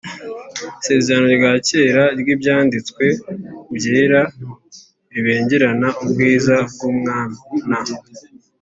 Isezerano rya Kera ry’Ibyanditswe Byera ribengerana ubwiza bw’Umwana